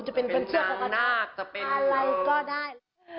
จะเป็นก็ได้